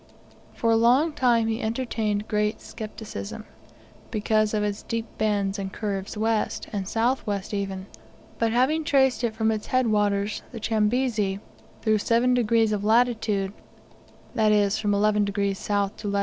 For a long time he entertained great scepticism, because of its deep bends and curves west, and south west even; but having traced it from its head waters, the Chambezi, through 7 degrees of latitude that is, from 11 degrees S. to lat.